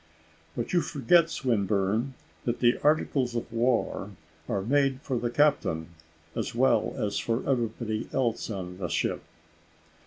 "But you forget, Swinburne, that the articles of war are made for the captain as well as for everybody else in the ship."